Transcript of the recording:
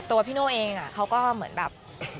พี่โน่เองเขาก็เหมือนแบบ